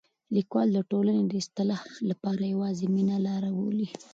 لیکوال د ټولنې د اصلاح لپاره یوازې مینه لاره بولي.